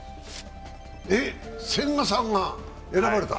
え、千賀さんが選ばれた？